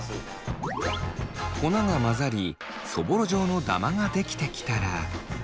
粉が混ざりそぼろ状のダマができてきたら。